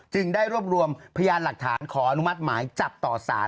ได้รวบรวมพยานหลักฐานขออนุมัติหมายจับต่อสาร